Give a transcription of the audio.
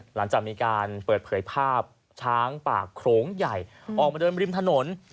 หลังจากมีการเปิดเผยภาพช้างปากโขลงใหญ่ออกมาเดินริมถนน